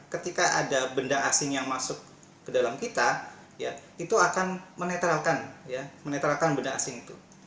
ketika ada benda asing yang masuk ke dalam kita ya itu akan menetralkan benda asing itu